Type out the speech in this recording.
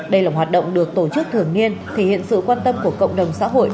đây là hoạt động được tổ chức thường niên thể hiện sự quan tâm của cộng đồng xã hội